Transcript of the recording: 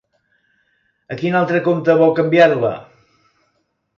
A quin altre compte vol canviar-la?